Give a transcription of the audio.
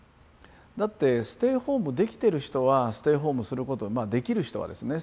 だってステイホームできてる人はステイホームすることができる人はですね